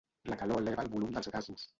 La calor eleva el volum dels gasos.